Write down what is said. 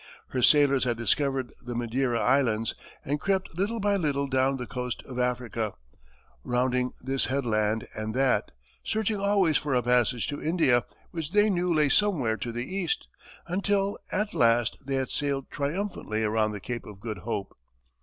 Her sailors had discovered the Madeira Islands, and crept little by little down the coast of Africa, rounding this headland and that, searching always for a passage to India, which they knew lay somewhere to the east, until, at last, they had sailed triumphantly around the Cape of Good Hope.